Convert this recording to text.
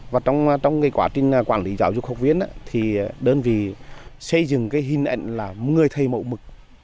và trong cái quá trình quản lý giáo dục học viên thì đơn vị xây dựng cái hình ảnh là người thầy mẫu mực